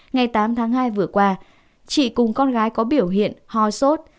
ngày tám tháng hai vừa qua chị cùng con gái có biểu hiện ho sốt